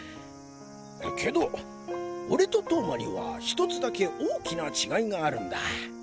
けど俺と投馬にはひとつだけ大きな違いがあるんだ。